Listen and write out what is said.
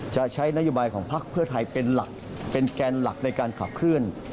จะใช้นโยบายของภักดิ์เพื่อไทยเป็นแกนหลักในการขับเคลื่อน